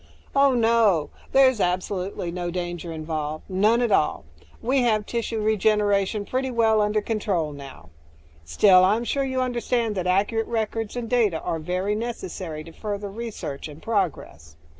"Oh, no. There's absolutely no danger involved. None at all. We have tissue regeneration pretty well under control now. Still, I'm sure you understand that accurate records and data are very necessary to further research and progress."